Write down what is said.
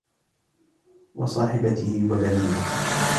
وَصَاحِبَتِهِ وَبَنِيهِ